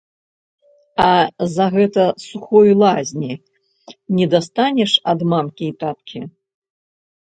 А за гэта сухой лазні не дастанеш ад мамкі і таткі?